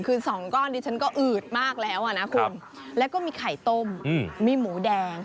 คือสองก้อนดิฉันก็อืดมากแล้วอ่ะนะคุณแล้วก็มีไข่ต้มมีหมูแดง